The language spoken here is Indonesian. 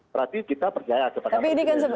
berarti kita percaya kepada menteri